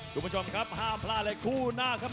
คุณผู้ชมครับห้ามพลาดเลยคู่หน้าครับ